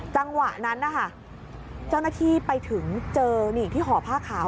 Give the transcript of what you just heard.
จังหวะนั้นนะคะเจ้าหน้าที่ไปถึงเจอนี่ที่ห่อผ้าขาว